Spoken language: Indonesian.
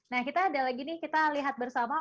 nah kita adalah gini kita lihat bersama